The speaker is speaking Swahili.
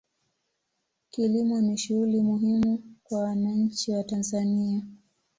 kilimo ni shughuli muhimu kwa wananchi wa tanzania